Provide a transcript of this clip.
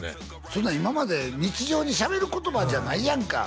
そんなん今まで日常にしゃべる言葉じゃないやんか